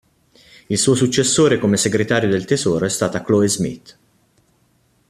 Il suo successore come Segretario del Tesoro è stata Chloe Smith.